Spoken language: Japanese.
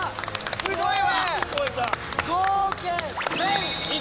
すごいわ。